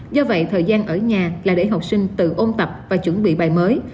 do vậy thời gian ở nhà là để học sinh tự ôn tập và chuẩn bị bài mới